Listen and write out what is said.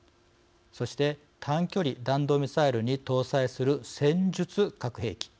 そして短距離弾道ミサイルに搭載する戦術核兵器